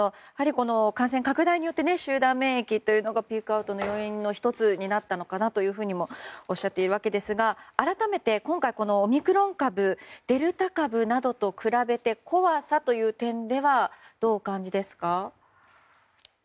感染拡大によって集団免疫というのがピークアウトの要因の１つになったのかなともおっしゃっているわけですが改めて今回このオミクロン株デルタ株などと比べて怖さという点ではどうお感じですか？